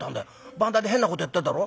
番台で変なことやってるだろ。